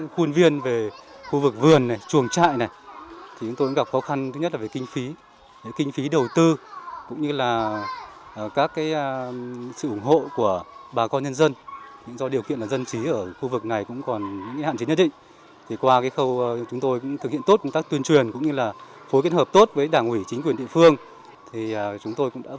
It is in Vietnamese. huyện mùa căng trải còn gặp rất nhiều khó khăn